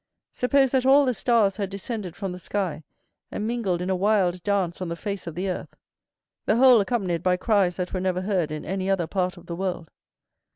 Suppose that all the stars had descended from the sky and mingled in a wild dance on the face of the earth; the whole accompanied by cries that were never heard in any other part of the world.